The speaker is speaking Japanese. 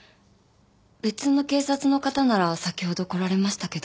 別の警察の方なら先ほど来られましたけど。